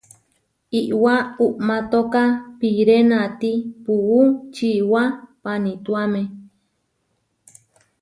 Iʼwá uʼmátoka piré natí puú čiwá panituáme.